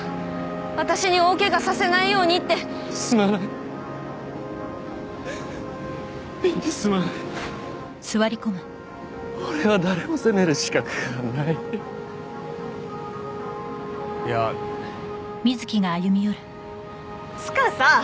私に大ケガさせないようにってすまないみんなすまない俺は誰も責める資格はないいやっつかさ